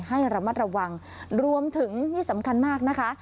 ให้ระมัดระวังรวมถึงที่สำคัญมากนะคะ